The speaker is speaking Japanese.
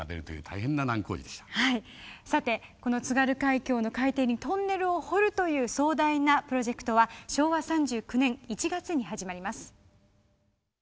さてこの津軽海峡の海底にトンネルを掘るという壮大なプロジェクトは昭和３９年１月に始まります。